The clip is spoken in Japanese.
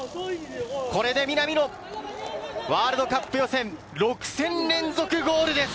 これで南野、ワールドカップ予選、６戦連続ゴールです。